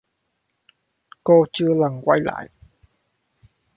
Cô chưa lần quay lại